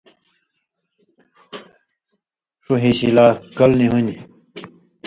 ݜُو ہیشی لا کَل (لمُول) نی ہُون٘دیۡ،